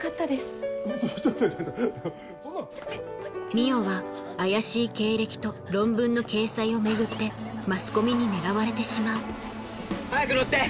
海音は怪しい経歴と論文の掲載を巡ってマスコミに狙われてしまう早く乗って！